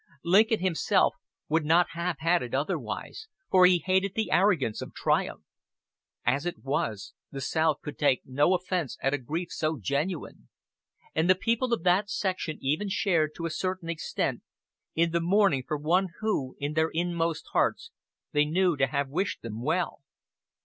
Lincoln himself would not have had it otherwise, for he hated the arrogance of triumph. As it was, the South could take no offense at a grief so genuine; and the people of that section even shared, to a certain extent, in the mourning for one who, in their inmost hearts, they knew to have wished them well.